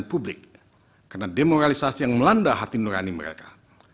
dan publik karena demoralisasi yang melanda hati nurani mereka